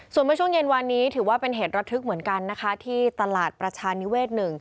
ส่วนเมื่อช่วงเย็นวานนี้ถือว่าเป็นเหตุระทึกเหมือนกันนะคะที่ตลาดประชานิเวศ๑